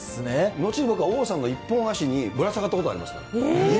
後に僕は王さんの一本足にぶら下がったことありますから。